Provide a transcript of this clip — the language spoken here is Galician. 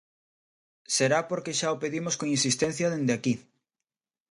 Será porque xa o pedimos con insistencia dende aquí.